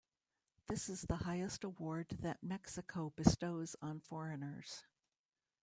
This is the highest award that Mexico bestows on foreigners.